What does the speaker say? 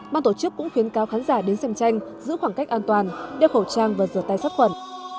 ban tổ chức cũng khuyến cáo khán giả đến xem tranh giữ khoảng cách an toàn đeo khẩu trang và rửa tay sát khuẩn